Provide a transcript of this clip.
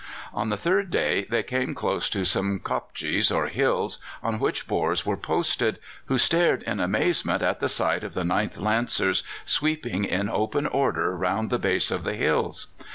On the third day they came close to some kopjes, or hills, on which Boers were posted, who stared in amazement at the sight of the 9th Lancers sweeping in open order round the base of the hills.